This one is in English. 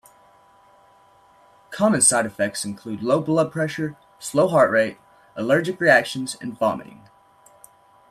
Common side effects include low blood pressure, slow heart rate, allergic reactions, and vomiting.